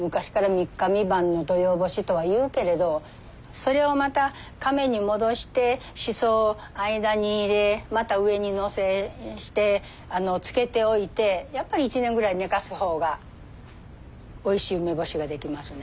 それをまたカメに戻してしそを間に入れまた上に載せして漬けておいてやっぱり１年ぐらい寝かす方がおいしい梅干しができますね。